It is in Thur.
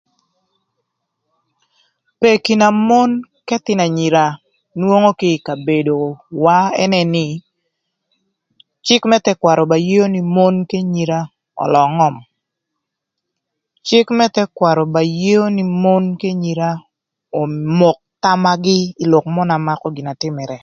Peki na mon k'ëthïnö anyira nwongo kï ï kabedowa ënë nï, cïk më thëkwarö ba yeo nï mon k'enyira ölöö ngöm. Cïk më thëkwarö ba yeo nï mon k'enyira omok thamagï ï lok mörö na makö gin na tïmërë.